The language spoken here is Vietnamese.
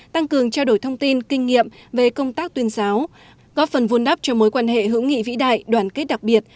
tăng cường trao đổi thông tin kinh nghiệm về công tác tuyên giáo góp phần vun đắp cho mối quan hệ hữu nghị vĩ đại đoàn kết đặc biệt